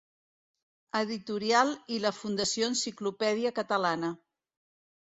Editorial i la Fundació Enciclopèdia Catalana.